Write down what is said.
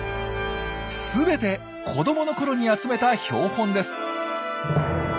すべて子どものころに集めた標本です。